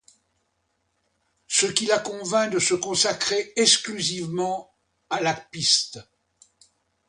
Ce qui la convainc de se consacrer exclusivement à la piste.